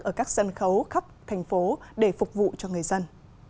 ở các sân khấu khắp thành phố để phục vụ cho người dân